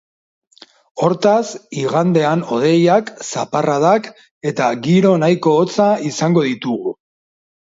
Hortaz, igandean hodeiak, zaparradak eta giro nahiko hotza izango ditugu.